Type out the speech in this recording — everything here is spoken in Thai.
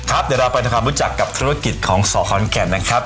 ครับเดี๋ยวเราไปรู้จักกับธุรกิจของสคอนแข่นนะครับ